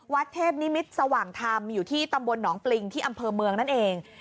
วัดเทพนิมิตรสว่างธรรมอยู่ที่ตำบลหนองปริงที่อำเภอเมืองนั่นเอง